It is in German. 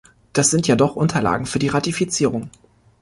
Dies sind ja doch Unterlagen für die Ratifizierung.